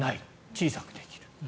小さくできる。